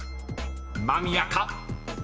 ［間宮か？］